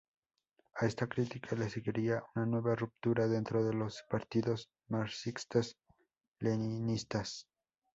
A esta crítica le seguiría una nueva ruptura dentro de los partidos marxistas-leninistas.